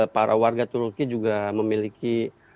para warga turki juga memiliki